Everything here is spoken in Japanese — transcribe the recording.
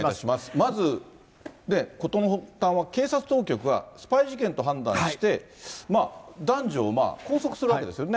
まず事の発端は警察当局がスパイ事件と判断して、男女を拘束するわけですよね。